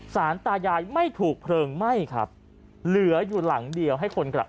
สารตายายไม่ถูกเพลิงไหม้ครับเหลืออยู่หลังเดียวให้คนกลับ